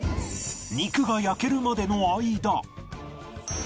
肉が焼けるまでの間